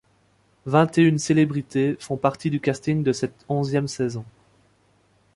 Vingt-et-une célébrités font partie du casting de cette onzième saison.